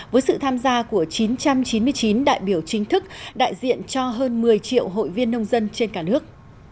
với sự tham gia của chín trăm chín mươi chín đại biểu chính thức đại diện cho hơn một mươi triệu hội viên nông dân trên cả nước